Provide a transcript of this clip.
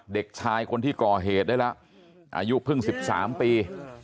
เด็กชายคนที่ก่อเหตุได้แล้วอายุเพิ่ง๑๓ปี